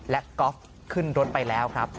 และก๊อฟขึ้นรถไปแล้วครับ